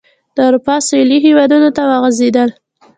د اروپا سوېلي هېوادونو ته وغځېدل.